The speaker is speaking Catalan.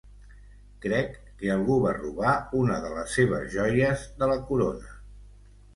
Crec que algú va robar una de les seves joies de la corona.